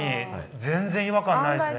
全然違和感ないですね。